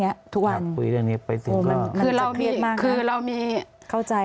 เนี้ยทุกวันคุยเรื่องเนี้ยไปถึงก็คือเรามีคือเรามีเข้าใจค่ะ